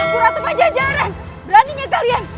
kurang ajar ajaran beraninya kalian